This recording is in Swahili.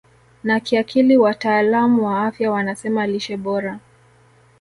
na kiakili Wataalam wa afya wanasema lishe bora